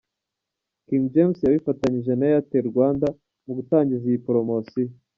King James yifatanyije na Airtel Rwanda mu gutangiza iyi poromosiyo.